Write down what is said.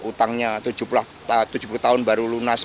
utangnya tujuh puluh tahun baru lunas